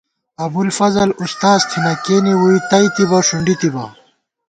ابُوالفضل اُستاذ تھنہ کېنے ووئی تئیتِبہ ݭُنڈی تِبہ